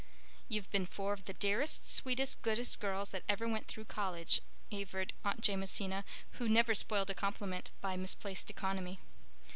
"You've been four of the dearest, sweetest, goodest girls that ever went together through college," averred Aunt Jamesina, who never spoiled a compliment by misplaced economy.